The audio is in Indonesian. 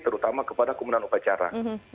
terutama kepada komendan upacara